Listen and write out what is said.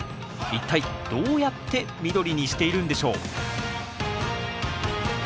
一体どうやって緑にしているんでしょう？